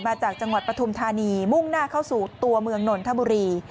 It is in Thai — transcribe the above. มาจากจังหวัดปฐุมธานีมุ่งหน้าเข้าสู่ตัวเมืองนนทบุรี